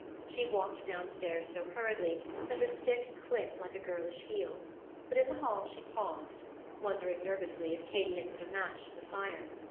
She walked down stairs so hurriedly that her stick clicked like a girlish heel; but in the hall she paused, wondering nervously if Katy had put a match to the fire.